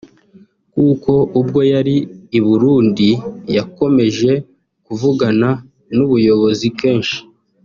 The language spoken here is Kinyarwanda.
kuko ubwo yari i Burundi yakomeje kuvugana n’Ubuyobozi kenshi